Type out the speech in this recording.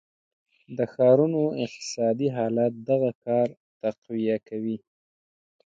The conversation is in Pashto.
د ښارونو اقتصادي حالت دغه کار تقویه کړ.